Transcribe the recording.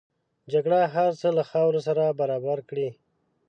جګړه هر څه له خاورو سره برابر کړي